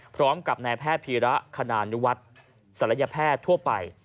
พร้อมกับนายแพทย์พีระคณานุวัฒน์ศัลยแพทย์ทั่วไป